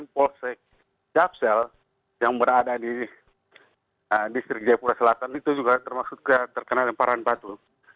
polsek japsel yang berada di distrik jayapura selatan itu juga termasuk terkena lemparan batu